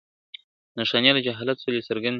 نښانې د جهالت سولې څرگندي ..